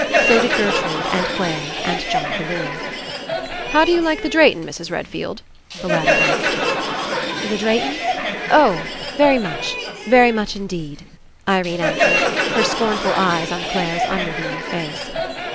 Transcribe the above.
So did Gertrude, and Clare, and John Bellew. "How do you like the Drayton, Mrs. Redfield?" the latter asked. "The Drayton? Oh, very much. Very much Indeed," Irene answered, her scornful eyes on Clare's unrevealing face.